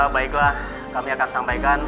baiklah kami akan sampaikan